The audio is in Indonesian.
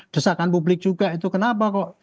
desakan publik juga itu kenapa kok